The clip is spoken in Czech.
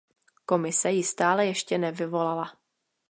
Komise ji stále ještě nevyvolala.